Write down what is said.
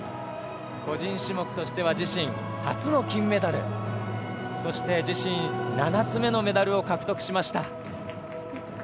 個人種目としては自身初の金メダル。そして自身７つ目のメダルを獲得しました。